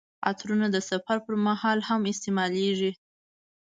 عطرونه د سفر پر مهال هم استعمالیږي.